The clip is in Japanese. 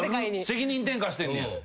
責任転嫁してんねや。